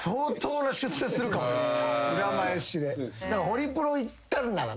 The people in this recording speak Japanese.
ホリプロ行ったんならね。